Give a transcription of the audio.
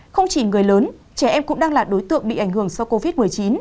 không chỉ người lớn trẻ em cũng đang là đối tượng bị ảnh hưởng do covid một mươi chín